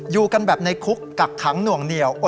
อยู่กันแบบในคุกกักขังหน่วงเหนียว